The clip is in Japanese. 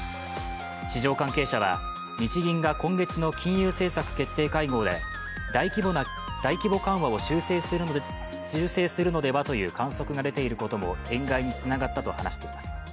市場関係者は、日銀が今月の金融政策決定会合で大規模緩和を修正するのではという観測が出ていることも円買いにつながったと話しています。